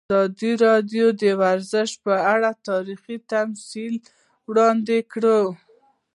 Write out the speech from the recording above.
ازادي راډیو د ورزش په اړه تاریخي تمثیلونه وړاندې کړي.